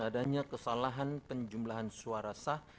adanya kesalahan penjumlahan suara sah